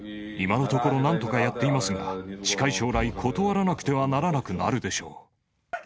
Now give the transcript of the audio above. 今のところ、なんとかやっていますが、近い将来、断らなくてはならなくなるでしょう。